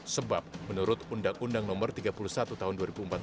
sebab menurut undang undang no tiga puluh satu tahun dua ribu empat belas